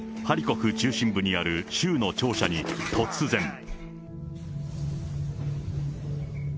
ハリコフ中心部にある州の庁舎に突然。